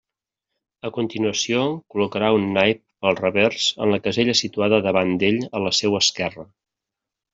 A continuació col·locarà un naip pel revers en la casella situada davant d'ell a la seua esquerra.